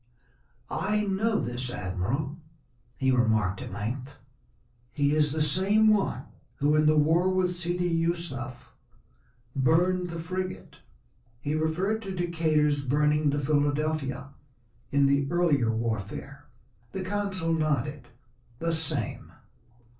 "I know this admiral," he remarked at length; "he is the same one who, in the war with Sidi Yusuf, burned the frigate." He referred to Decatur's burning the Philadelphia in the earlier warfare. The consul nodded. "The same."